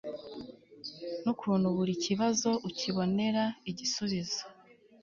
n'ukuntu buri kibazo ukibonera igisubizo